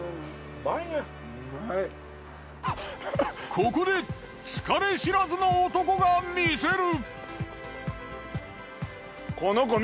ここで疲れ知らずの男がみせる。